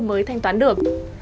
mới thanh toán được